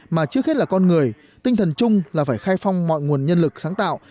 mà trước hết là con người tinh thần chung là phải khai phong mọi nguồn nhân lực sáng tạo